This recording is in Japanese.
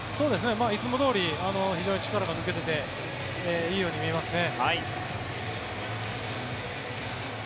いつもどおり非常に力が抜けていていいように見えますね。